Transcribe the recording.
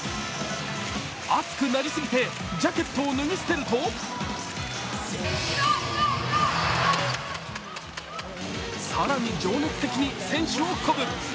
熱くなりすぎて、ジャケットを脱ぎ捨てると更に情熱的に選手を鼓舞。